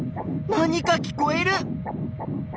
何か聞こえる！